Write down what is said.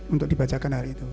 untuk dibacakan hari itu